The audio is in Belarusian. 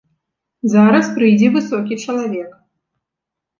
Зараз прыйдзе высокі чалавек.